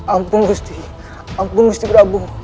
ampun gusti ampun gusti prabu